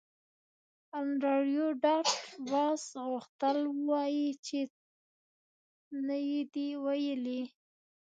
انډریو ډاټ باس غوښتل ووایی چې نه یې دی ویلي